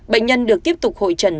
bệnh nhân được tiếp tục hội trần